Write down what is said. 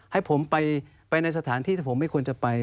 ให้ผมไปในสถานที่ที่ผมไม่ควรจะไป